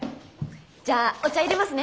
じゃあお茶いれますね。